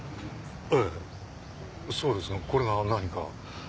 えぇそうですがこれが何か？